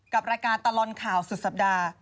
กับรายการตลอดข่าวสุดสัปดาห์